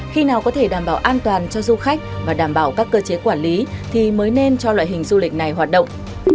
khi nào có thể đảm bảo an toàn cho du khách và đảm bảo các cơ chế quản lý thì mới nên cho loại hình du lịch này hoạt động